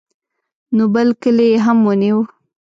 نو بل کلی یې هم ونیو.